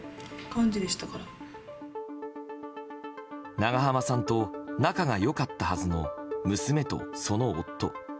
長濱さんと仲が良かったはずの娘とその夫。